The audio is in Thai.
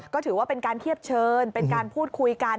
ก็ถือว่าเป็นการเทียบเชิญเป็นการพูดคุยกัน